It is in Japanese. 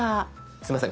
すいません